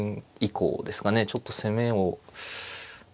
ちょっと攻めを。